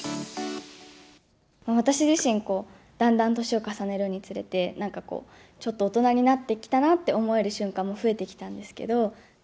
私自身、だんだん年を重ねるにつれて、なんかこう、ちょっと大人になってきたなって思える瞬間も増えてきたんですけど。